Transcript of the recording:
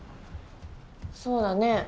そうだね。